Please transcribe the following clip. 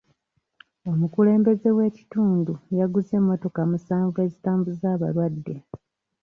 Omukulembeze w'ekitundu yaguzze emmotoka musanvu ezitambuza abalwadde.